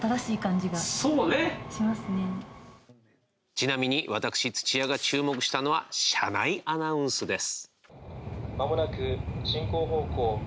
ちなみに私、土屋が注目したのは車内アナウンスです。